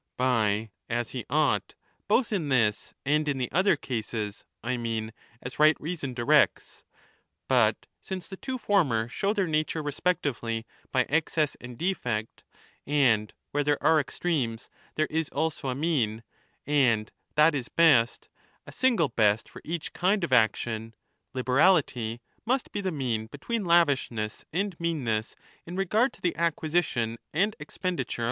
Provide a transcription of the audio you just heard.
(By ' as he ought ', both in this and in the other cases, I mean ' as right reason directs '.) But since the two former show their nature respectively by excess and defect — and where there are extremes, there is also 35 a mean and that is best, a single best for each kind of action — liberality must be the mean between lavishness and meanness in regard to the acquisition and expenditure 27 1232* i8 =£'.